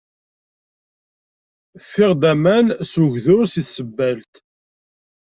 Ffiɣ-d aman s ugdur si tsebbalt.